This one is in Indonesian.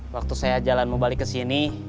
waktu saya jalan mau balik kesini